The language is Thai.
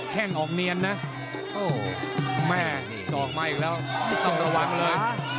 แข้งออกเนียนนะแม่สองมาอีกแล้วจับระวังเลย